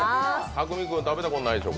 匠海君、食べたことないでしょ？